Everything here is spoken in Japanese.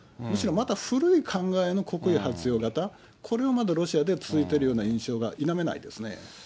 むしろまた古い考えの国威発揚型、これをまだロシアで続いているような印象が否めないですね。